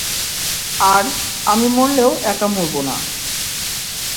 আর, আমি মরলেও একা মরব না!